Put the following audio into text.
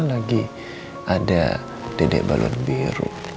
lagi ada dedek balon biru